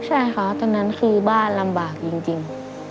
ใช่ค่ะตอนนั้นคือบ้านลำบากจริง